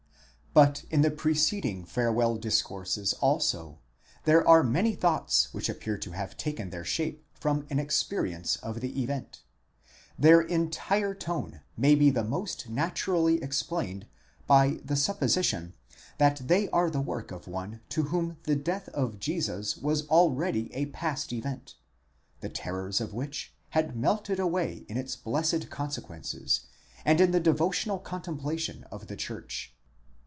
But in the preceding farewell discourses also there are many thoughts which appear to have taken their shape from an experience of the event. Their entire tone may be the most naturally explained by the supposition, that they are the work of one to whom the death of Jesus was already a past event, the terrors of which had melted away in its blessed consequences, and in the devotional contemplation of the church.